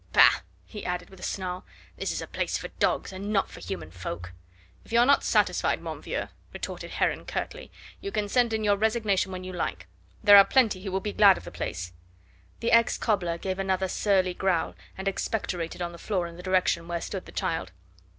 Bah!" he added with a snarl, "this is a place for dogs and not for human folk." "If you are not satisfied, mon vieux," retorted Heron curtly, "you can send in your resignation when you like. There are plenty who will be glad of the place." The ex cobbler gave another surly growl and expectorated on the floor in the direction where stood the child.